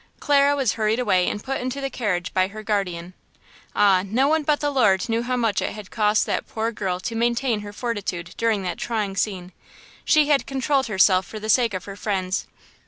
Clara was hurried away and put into the carriage by her guardian. Ah, no one but the Lord knew how much it had cost that poor girl to maintain her fortitude during that trying scene. She had controlled herself for the sake of her friends.